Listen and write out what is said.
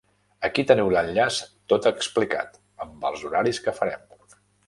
Aquí teniu l'enllaç tot explicat, amb els horaris que farem.